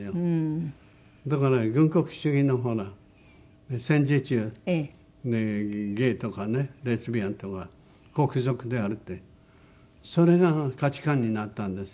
だから軍国主義のほら戦時中にゲイとかねレズビアンとは国賊であるってそれが価値観になったんですよね。